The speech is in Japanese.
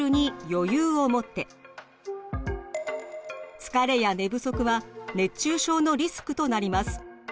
疲れや寝不足は熱中症のリスクとなります。